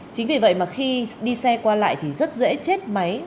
chính vì vậy mà khi đi xe qua lại thì rất dễ chết máy